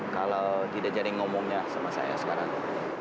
kalau tidak jaring ngomongnya sama saya sekarang